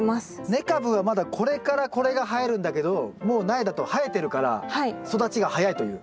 根株はまだこれからこれが生えるんだけどもう苗だと生えてるから育ちが早いという。